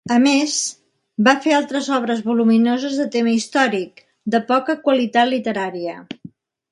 A més, va fer altres obres voluminoses de tema històric, de poca qualitat literària.